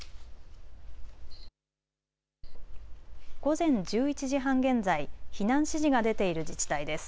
午前１１時半現在、避難指示が出ている自治体です。